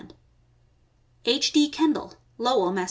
L; H. D. Kendall, Lowell, Mass.